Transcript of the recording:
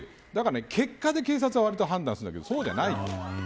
結果で警察は判断するんだけどそうじゃない。